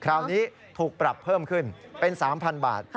คราวนี้ถูกปรับเพิ่มขึ้นเป็น๓๐๐๐บาท